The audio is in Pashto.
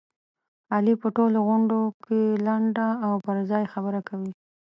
علي په ټولو غونډوکې لنډه او پرځای خبره کوي.